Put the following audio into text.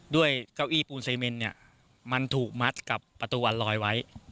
เก้าอี้ปูนไซเมนเนี่ยมันถูกมัดกับประตูวันลอยไว้